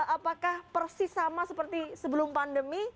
apakah persis sama seperti sebelum pandemi